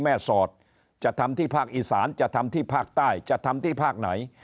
สอดจะทำที่ภาคอีสานจะทำที่ภาคใต้จะทำที่ภาคไหน